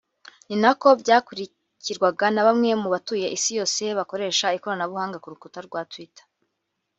ni nako byakurikirwaga na bamwe mu batuye isi yose bakoresha ikoranabuhanga ku rukuta rwa Twitter